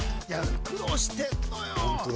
苦労してんのよ。